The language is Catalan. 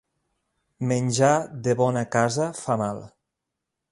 Menjar de bona casa fa mal.